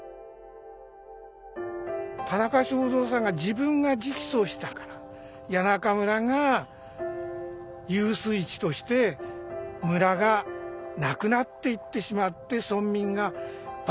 田中正造さんが自分が直訴したから谷中村が遊水池として村がなくなっていってしまって村民がバラバラにならざるをえなくなった。